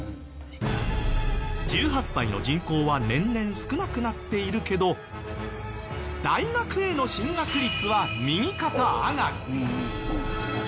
１８歳の人口は年々少なくなっているけど大学への進学率は右肩上がり。